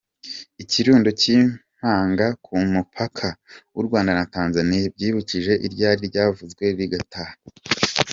Ikirundo cy’imipanga ku mupaka w’u Rwanda na Tanzania, byibukije iryari ryaravuzwe rigataha.